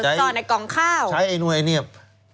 เออซ่อนในกล่องข้าวใช้ไอ้นู่นไอ้เนียบ